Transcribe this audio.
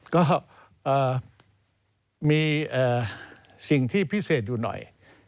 ก็มีสิ่งที่พิเศษอยู่หน่อย